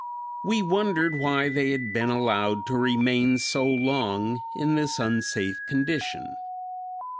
We wondered why they had been allowed to remain so long in this unsafe condition.